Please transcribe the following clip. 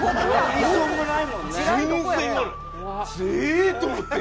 えっ！と思って。